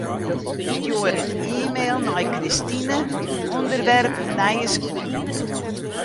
Stjoer in e-mail nei Kristine, ûnderwerp nije skuon.